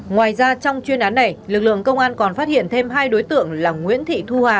ngoài ra trong chuyên án này lực lượng công an còn phát hiện thêm hai đối tượng là nguyễn thị thu hà